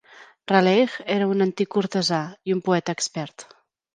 Raleigh era un antic cortesà i un poeta expert.